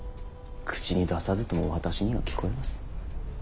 口に出さずとも私には聞こえます。